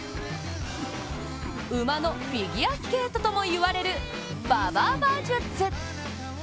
馬のフィギュアスケートともいわれる馬場馬術。